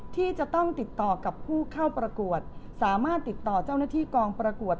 ที่จะต้องติดต่อกับผู้เข้าประกวดสามารถติดต่อเจ้าหน้าที่กองประกวด